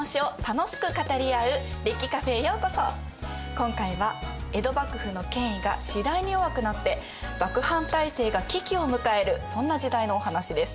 今回は江戸幕府の権威が次第に弱くなって幕藩体制が危機を迎えるそんな時代のお話です。